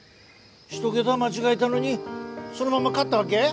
一桁間違えたのにそのまま買ったわけ？